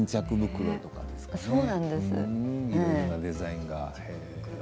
いろんなデザインが。